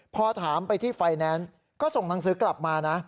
พอถามไปที่ไฟแนนซ์ก็ส่งหนังสือกลับมานะ